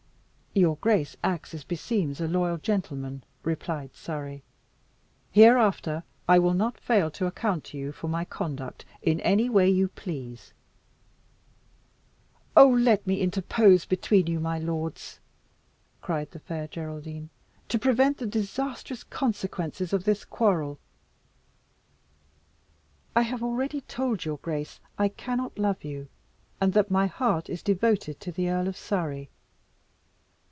"Your grace acts as beseems a loyal gentleman," replied Surrey. "Hereafter I will not fail to account to you for my conduct in any way you please." "Oh! let me interpose between you, my lords," cried the Fair Geraldine, "to prevent the disastrous consequences of this quarrel. I have already told your grace I cannot love you, and that my heart is devoted to the Earl of Surrey.